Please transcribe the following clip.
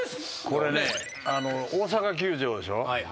これね大阪球場でしょ。